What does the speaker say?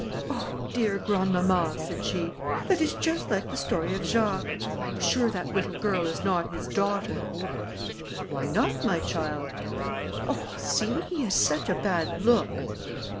"Oh! dear grandmamma," said she, "that is just like the story of Jacques. I am sure that little girl is not his daughter." "And why not, my child?" "Oh! see, he has such a bad look."